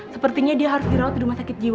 sepertinya dia harus dirawat di rumah sakit jiwa